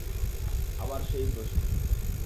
আবার সেই প্রশ্ন!